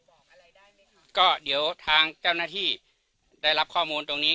บอกอะไรได้ไหมคะก็เดี๋ยวทางเจ้าหน้าที่ได้รับข้อมูลตรงนี้